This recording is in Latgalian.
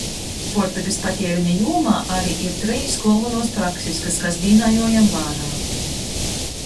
Puortykys patiereņa jūmā ari ir treis golvonuos praksis, kas kasdīnā juojam vārā.